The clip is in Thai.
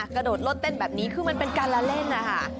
กระโดดรถเต้นแบบนี้คือมันเป็นการละเล่นนะคะ